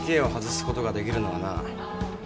ＰＫを外すことができるのはな